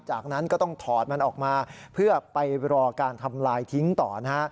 จากนั้นก็ต้องถอดมันออกมาเพื่อไปรอการทำลายทิ้งต่อนะฮะ